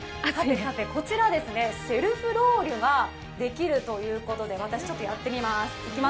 こちらセルフロウリュができるということで、私、やってみます。